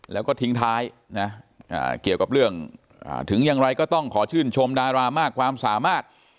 แล้วก็ทิ้งท้ายนะเกี่ยวกับเรื่องถึงอย่างไรก็ต้องขอชื่นชมดารามากความสามารถ